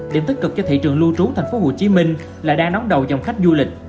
điểm tích cực cho thị trường lưu trú thành phố hồ chí minh là đang nóng đầu dòng khách du lịch